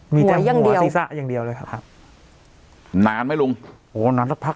มีแต่หัวศีรษะอย่างเดียวเลยครับครับนานไหมลุงโอ้นานสักพัก